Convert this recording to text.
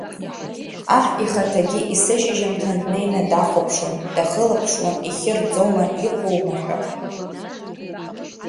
Аҳ ихаҭагьы есышьыжьымҭан днеин дахәаԥшуан, дахылаԥшуан ихьы рӡома, иҟоума ҳәа.